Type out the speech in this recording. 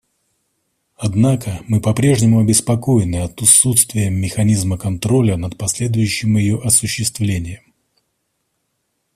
Однако мы попрежнему обеспокоены отсутствием механизма контроля над последующим ее осуществлением.